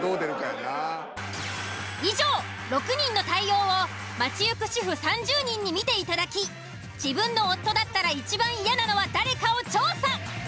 以上６人の対応を街行く主婦３０人に見ていただき自分の夫だったら一番嫌なのは誰かを調査。